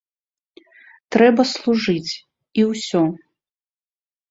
Трэба служыць і ўсё!